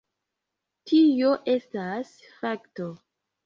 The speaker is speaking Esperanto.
Tio estas fakto.